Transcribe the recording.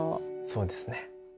そうですね。